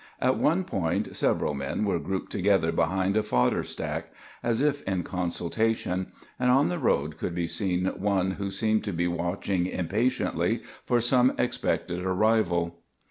At one point several men were grouped together behind a fodder stack, as if in consultation, and on the road could be seen one who seemed to be watching impatiently for some expected arrival.